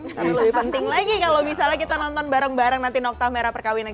yang lebih penting lagi kalau misalnya kita nonton bareng bareng nanti nokta merah perkawinan